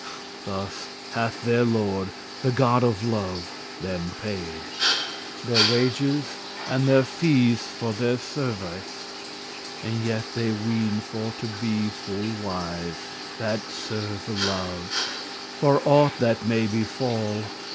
Thus hath their lord, the god of love, them paid Their wages and their fees for their service; And yet they weene for to be full wise, That serve love, for aught that may befall.